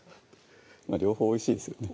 まぁ両方おいしいですよね